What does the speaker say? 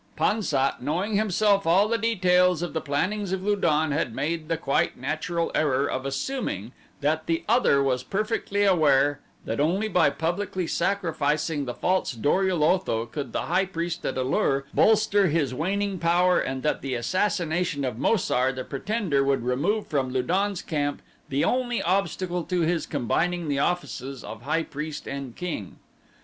Pan sat, knowing himself all the details of the plannings of Lu don, had made the quite natural error of assuming that the other was perfectly aware that only by publicly sacrificing the false Dor ul Otho could the high priest at A lur bolster his waning power and that the assassination of Mo sar, the pretender, would remove from Lu don's camp the only obstacle to his combining the offices of high priest and king.